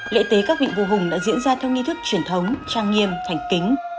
lễ tế các vị vua hùng đã diễn ra theo nghi thức truyền thống trang nghiêm thành kính